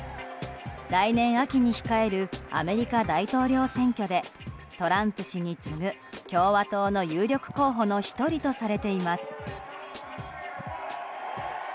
来年秋に控えるアメリカ大統領選挙でトランプ氏に次ぐ共和党の有力候補の１人とされています。